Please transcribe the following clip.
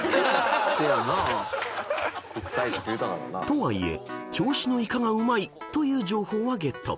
［とはいえ銚子のイカがうまいという情報はゲット］